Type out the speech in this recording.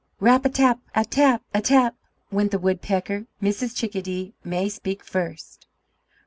"Rap atap atap atap!" went the woodpecker; "Mrs. Chickadee may speak first."